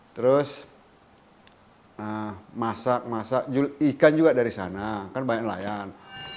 terus masak masak ikan juga dari sana kan banyak nelayan